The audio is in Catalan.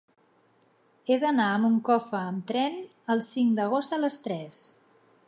He d'anar a Moncofa amb tren el cinc d'agost a les tres.